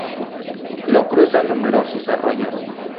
Lo cruzan numerosos arroyos.